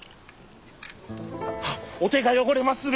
あっお手が汚れまする！